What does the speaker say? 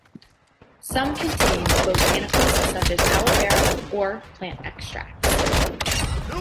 Some contain botanicals such as aloe vera or plant extracts.